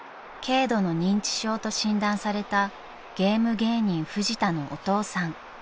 ［軽度の認知症と診断されたゲーム芸人フジタのお父さん］